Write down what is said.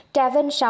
trà vinh sáu